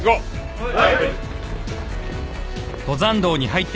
はい！